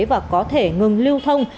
và có thể ngừng lưu thông